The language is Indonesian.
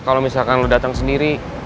kalau misalkan lo datang sendiri